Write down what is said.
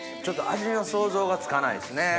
ちょっと味の想像がつかないですね。